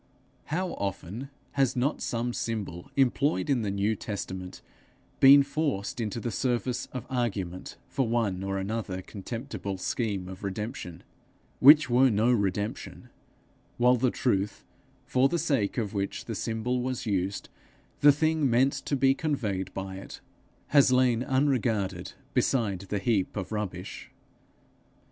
How often has not some symbol employed in the New Testament been forced into the service of argument for one or another contemptible scheme of redemption, which were no redemption; while the truth for the sake of which the symbol was used, the thing meant to be conveyed by it, has lain unregarded beside the heap of rubbish!